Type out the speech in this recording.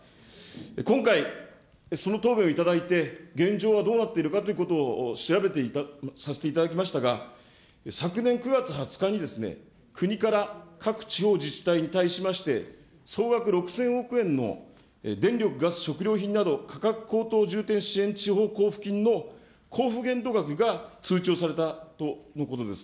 今回、その答弁をいただいて現状はどうなっているかということを調べさせていただきましたが、昨年９月２０日に、国から各地方自治体に対しまして、総額６０００億円の電力・ガス・食料品など、価格高騰重点支援地方交付金の交付限度額が通知をされたとのことです。